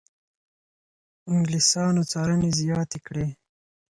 انګلیسانو څارنې زیاتې کړې.